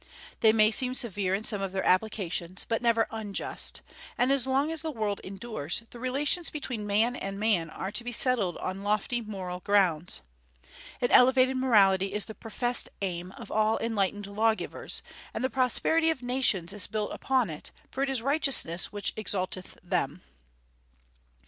They may seem severe in some of their applications, but never unjust; and as long as the world endures, the relations between man and man are to be settled on lofty moral grounds. An elevated morality is the professed aim of all enlightened lawgivers; and the prosperity of nations is built upon it, for it is righteousness which exalteth them.